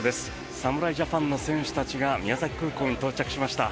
侍ジャパンの選手たちが宮崎空港に到着しました。